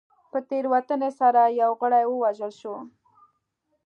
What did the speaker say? په تېروتنې سره یو غړی ووژل شو.